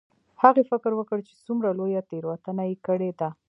هغې فکر وکړ چې څومره لویه تیروتنه یې کړې ده